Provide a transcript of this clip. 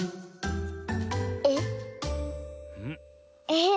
えっ？